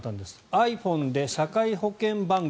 ｉＰｈｏｎｅで社会保障番号